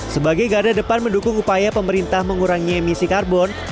sebagai garda depan mendukung upaya pemerintah mengurangi emisi karbon